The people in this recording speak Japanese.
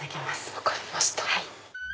分かりました。